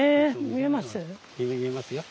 見えますよ。